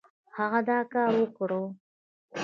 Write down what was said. هغه دا کار وکړ.